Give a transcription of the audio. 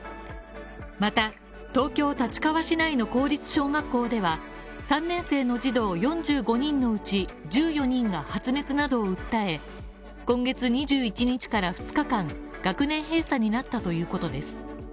また、東京・立川市内の公立小学校では３年生の児童４５人のうち１４人が発熱などを訴え、今月２１日から２日間、学年閉鎖になったということです。